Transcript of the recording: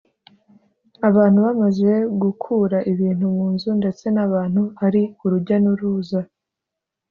abantu bamaze gukura ibintu mu nzu ndetse n’abantu ari urujya n’uruza